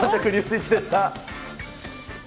イッチでした。